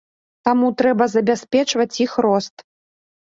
Таму трэба забяспечваць іх рост.